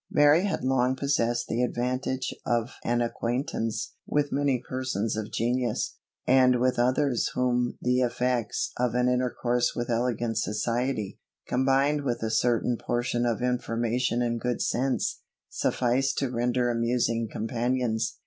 Mary had long possessed the advantage of an acquaintance with many persons of genius, and with others whom the effects of an intercourse with elegant society, combined with a certain portion of information and good sense, sufficed to render amusing companions.